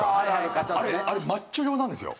あれマッチョ用なんですよ。